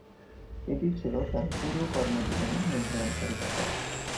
এটিই ছিল তার পুরো কর্মজীবনের নির্ধারণকারী ব্যাপার।